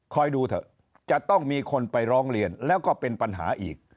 ดูเถอะจะต้องมีคนไปร้องเรียนแล้วก็เป็นปัญหาอีก